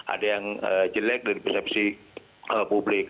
ada yang jelek dari persepsi publik